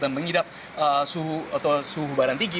dan mengidap suhu badan tinggi